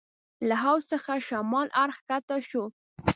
له حوض څخه شمال اړخ کښته شوو.